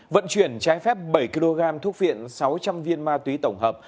vận chuyển trái phép bảy kg thuốc viện sáu trăm linh viên ma túy tổng hợp